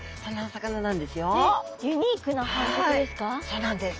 そうなんです。